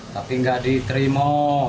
tapi nggak diterima